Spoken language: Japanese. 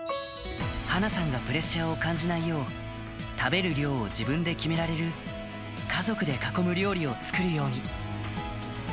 華さんがプレッシャーを感じないよう、食べる量を自分で決められる家族で囲む料理を作るように。